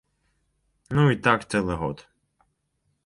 Ну і так цэлы год.